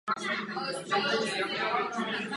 A co četla vám?